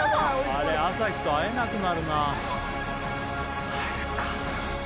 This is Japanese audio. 朝日と会えなくなるな。